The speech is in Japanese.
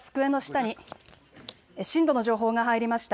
震度の情報が入りました。